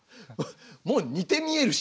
もう似て見えるしね。